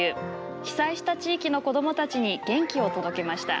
被災した地域の子どもたちに元気を届けました。